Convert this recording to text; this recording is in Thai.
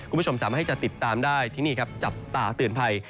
คุณผู้ชมสามารถให้จะติดตามได้ที่นี่ครับจับตาเตือนภัย